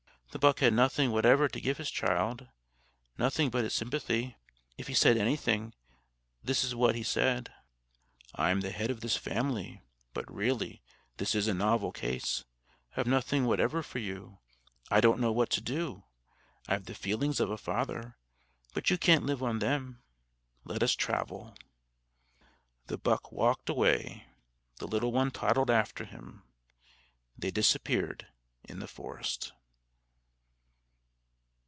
The buck had nothing whatever to give his child nothing but his sympathy. If he said anything, this is what he said: "I'm the head of this family; but, really, this is a novel case. I've nothing whatever for you. I don't know what to do. I've the feelings of a father; but you can't live on them. Let us travel." The buck walked away: the little one toddled after him. They disappeared in the forest.